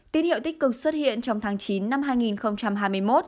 tín hiệu tích cực xuất hiện trong tháng chín năm hai nghìn hai mươi một